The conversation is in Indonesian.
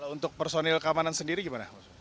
untuk personil keamanan sendiri gimana